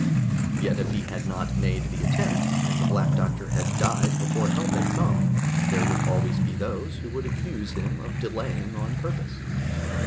Yet if he had not made the attempt and the Black Doctor had died before help had come, there would always be those who would accuse him of delaying on purpose.